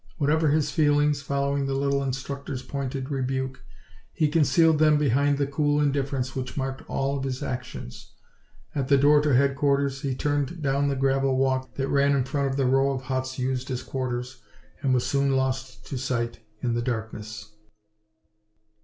Whatever his feelings, following the little instructor's pointed rebuke, he concealed them behind the cool indifference which marked all of his actions. At the door to headquarters he turned down the gravel walk that ran in front of the row of huts used as quarters and was soon lost to sight in the darkness.